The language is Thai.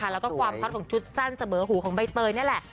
แล้วก็ความฮอตของชุดสั้นเสมอหูของใบเตยนี่แหละ